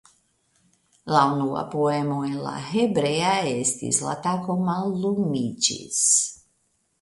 La unua poemo en la hebrea estis "La tago mallumiĝis.